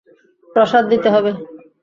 প্রসাদ দিতে হবে।